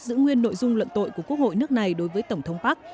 giữ nguyên nội dung luận tội của quốc hội nước này đối với tổng thống park